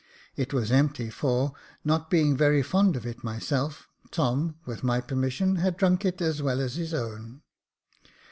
It was empty, for, not being very fond of it myself, Tom, with my permission, had drunk it, as well as his own.